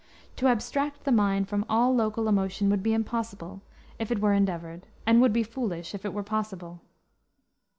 To abstract the mind from all local emotion would be impossible, if it were endeavored, and would be foolish, if it were possible."